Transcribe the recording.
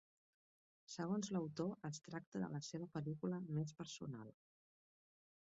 Segons l'autor, es tracta de la seva pel·lícula més personal.